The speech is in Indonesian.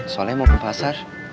soleh mau ke pasar